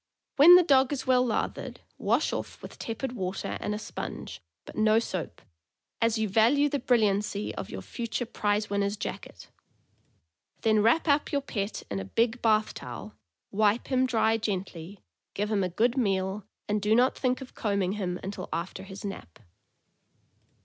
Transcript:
When the dog is well lathered, wash off with tepid water and a sponge, but no soap, as you value the brilliancy of your future prize winner's jacket; then wrap up your pet in a big bath towel, wipe him dry gently, give him a good meal, and do not think of combing him until after his nap.